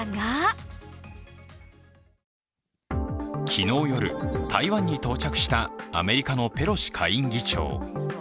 昨日夜、台湾に到着したアメリカのペロシ下院議長。